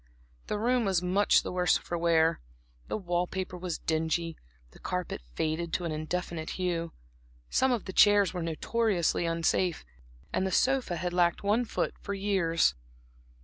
The room was much the worse for wear, the wall paper was dingy, the carpet faded to an indefinite hue, some of the chairs were notoriously unsafe, and the sofa had lacked one foot for years.